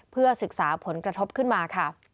เพื่อศึกษาผลกระทบขึ้นมาค่ะ